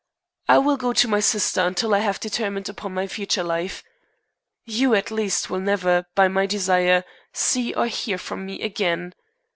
I will go to my sister until I have determined upon my future life. You, at least, will never, by my desire, see or hear from me again.